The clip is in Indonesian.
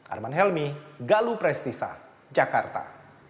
arman helmy galuh prestisa jakarta